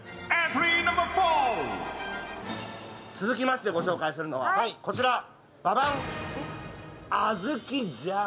続きましてご紹介するのは、こちら。